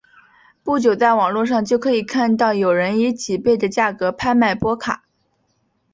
不久在网络上就可以看到有人以几倍的价格拍卖波卡。